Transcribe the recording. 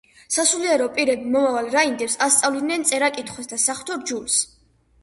სასულიერო პირები მომავალ რაინდებს ასწავლიდნენ წერა-კითხვას და საღვთო რჯულს.